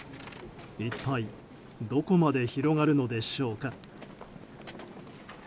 一体どこまで広がるのでしょうか。